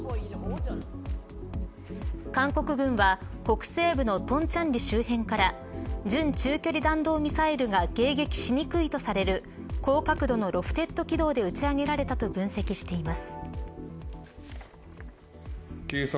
韓国軍は北西部の東倉里周辺から準中距離弾道ミサイルが迎撃しにくいとされる高角度のロフテッド軌道で打ち上げられたと分析しています。